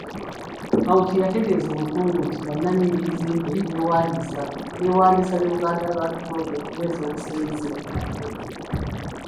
Kawuki yategeezezza Omukungu nti bannannyini bizimbe beewandiisa ne Buganda Land Board okunyweza obusenze.